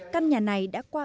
căn nhà này đã qua